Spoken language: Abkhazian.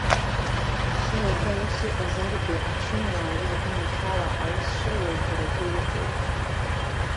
Аха, иагьа ус иҟазаргьы, ачынуаа ари аганахьала аус шыруа убаратәы иҟоуп.